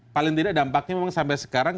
paling tidak dampaknya memang sampai sekarang